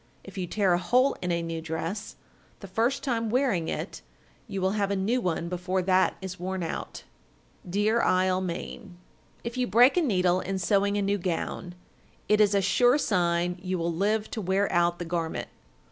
If you tear a hole in a new dress, the first time wearing it, you will have a new one before that is worn out. Deer Isle, Me. 1389. If you break a needle in sewing a new gown, it is a sure sign you will live to wear out the garment.